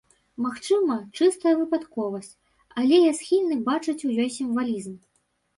Магчыма, чыстая выпадковасць, але я схільны бачыць у ёй сімвалізм.